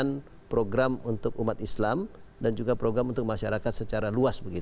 inginan program untuk umat islam dan juga program untuk masyarakat secara luas begitu